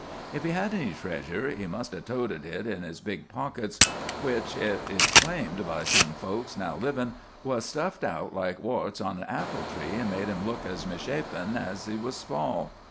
If he had any treasure, he must 'a' toted hit in his big pockets, which, hit is claimed by some folks now livin', was stuffed out like warts on an apple tree, and made him look as misshapen as he was small.